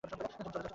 তুমি চলে যাচ্ছো?